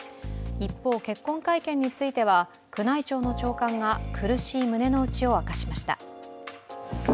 一方、結婚会見については宮内庁の長官が苦しい胸の内を明かしました。